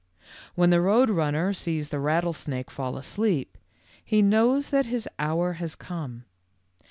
K When the Road Runner sees the rattlesnake fall asleep, he knows that his hour has come.